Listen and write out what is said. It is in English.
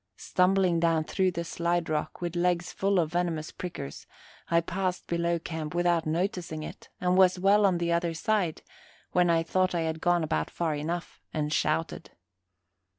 Stumbling down through the slide rock, with legs full of venomous prickers, I passed below camp without noticing it, and was well on the other side, when I thought I had gone about far enough, and shouted.